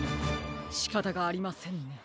しかたがありませんね。